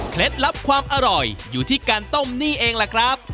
ลับความอร่อยอยู่ที่การต้มนี่เองล่ะครับ